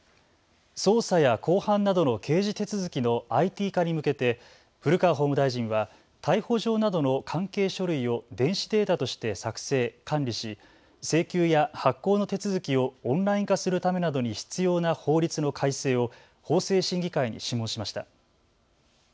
捜査や公判などの刑事手続きのＩＴ化に向けて古川法務大臣は逮捕状などの関係書類を電子データとして作成、管理し請求や発行の手続きをオンライン化するためなどに必要な法律の改正を法制審議会に諮問しました。